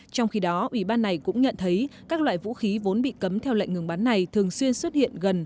trong khi đó ủy ban này cũng nhận thấy các loại vũ khí vốn bị cấm theo lệnh ngừng bắn này thường xuyên xuất hiện gần